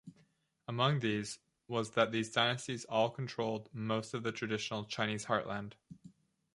Among these was that these dynasties all controlled most of the traditional Chinese heartland.